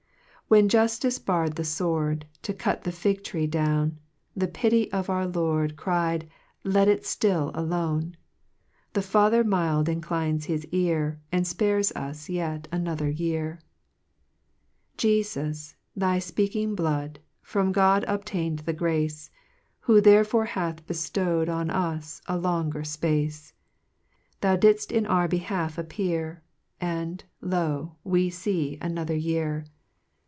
3 When juftice bar'd the fword To cut the fig tree down, The pity of "our Loud Cried, Let it (till alone : The Father mild inclines his ear, And fpares us yet another year. 4 Jefus, thy fpea king blood, From God obtain'd the grace, Who therefore hath beliow'd On us a longer (pace ; Thou dittft in our behalf appear, And, lo, we fee another year!